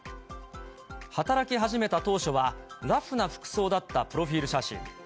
働き始めた当初は、ラフな服装だったプロフィール写真。